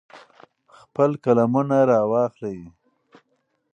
خپل قلمونه را واخلئ.